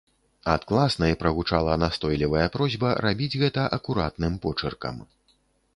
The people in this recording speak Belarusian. Ад класнай прагучала настойлівая просьба рабіць гэта акуратным почыркам.